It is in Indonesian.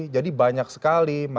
jadi banyak sekali masyarakat